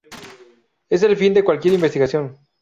Es el fin de cualquier investigación".